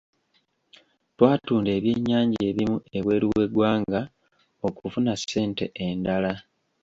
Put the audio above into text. Twatunda ebyennyanja ebimu ebweru w'eggwanga okufuna ssente endala.